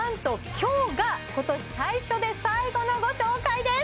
今日が今年最初で最後のご紹介です！